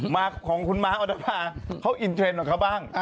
มาของคุณม้าอัตภาพเขาอินเทรนด์เหรอครับบ้าง